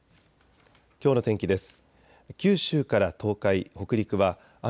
きょうの天気です。